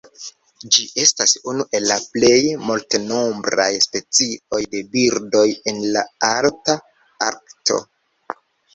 Ĝi estas unu el la plej multnombraj specioj de birdoj en la Alta Arkto.